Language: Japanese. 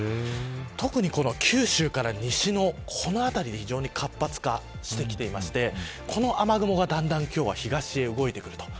特に、この九州から西のこの辺りに非常に活発化してきていましてこの雨雲がだんだん東へ動いてくると。